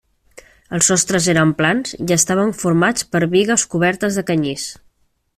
Els sostres eren plans i estaven formats per bigues cobertes de canyís.